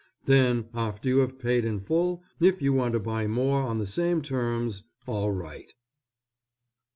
Then after you have paid in full, if you want to buy more on the same terms all right.